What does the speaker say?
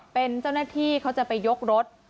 เป็นเจ้าหน้าที่เขาจะไปยกรถ